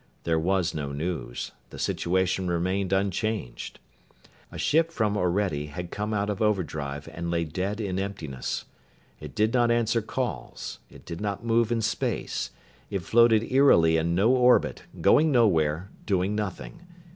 There was no news; the situation remained unchanged. A ship from Orede had come out of overdrive and lay dead in emptiness. It did not answer calls. It did not move in space. It floated eerily in no orbit, going nowhere, doing nothing.